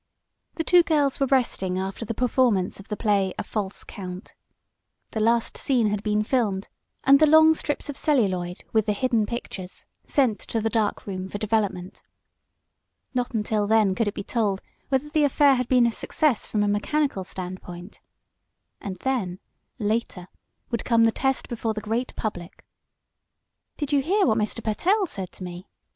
The two girls were resting after the performance of the play "A False Count." The last scene had been filmed, and the long strips of celluloid, with the hidden pictures, sent to the dark room for development. Not until then could it be told whether the affair had been a success from a mechanical standpoint. And then, later, would come the test before the great public. "Did you hear what Mr. Pertell said to me?"